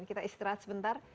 kita istirahat sebentar